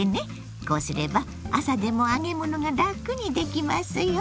こうすれば朝でも揚げ物がラクにできますよ。